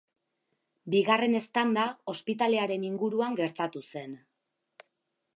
Bigarren eztanda ospitalearen inguruan gertatu zen.